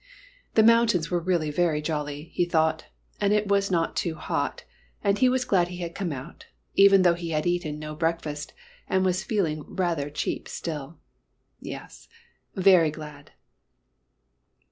The mountains were really very jolly, he thought, and it was not too hot, and he was glad he had come out, even though he had eaten no breakfast and was feeling rather cheap still. Yes, very glad.